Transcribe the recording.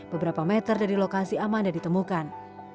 beberapa meter dari lokasi amanda ditemukan